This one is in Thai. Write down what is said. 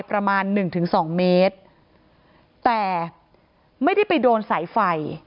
ประมาณหนึ่งถึงสองเมตรแต่ไม่ได้ไปโดนสายไฟ